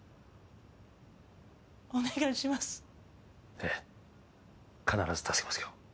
ええ必ず助けますよ